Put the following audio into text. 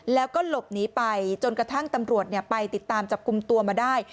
แล้วก็หลบหนีไปจนกระทั่งตำรวจไปติดตามจับกลุ่มตัวมาได้